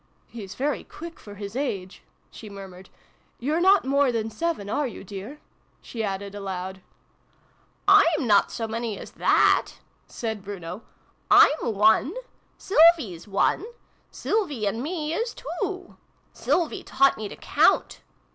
" He's very quick, for his age !" she murmured. " You're not more than seven, are you, dear ?" she added aloud. ''I'm not so many as that" said Bruno. " I'm one. Sylvie's one. Sylvie and me is two. Sylvie taught me to count."